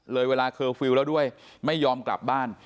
เวลาเคอร์ฟิลล์แล้วด้วยไม่ยอมกลับบ้าน